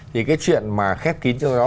thì cái chuyện mà khép kín cho nó